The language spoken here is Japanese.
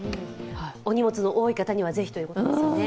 お荷物の多い方にはぜひということですよね。